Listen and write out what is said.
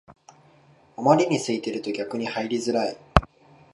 あまりに空いてると逆に入りづらい